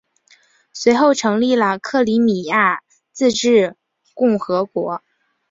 随后成立了克里米亚自治共和国。